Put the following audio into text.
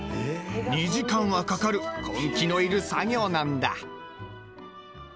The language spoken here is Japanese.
２時間はかかる根気のいる作業なんだ。